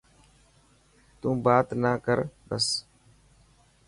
تون بات نه ڪر بس.